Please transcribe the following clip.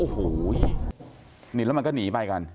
อ้อโหนี๋มันก็หนีไปกัน